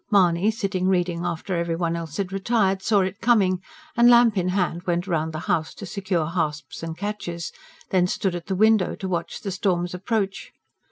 Mahony, sitting reading after everyone else had retired, saw it coming, and lamp in hand went round the house to secure hasps and catches; then stood at the window to watch the storm's approach.